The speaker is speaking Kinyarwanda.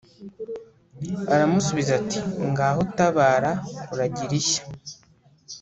Aramusubiza ati “Ngaho tabara uragira ishya